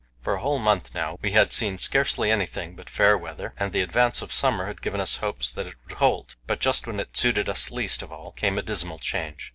For a whole month now we had seen scarcely anything but fair weather, and the advance of summer had given us hopes that it would hold; but just when it suited us least of all came a dismal change.